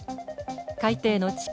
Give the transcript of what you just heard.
海底の地形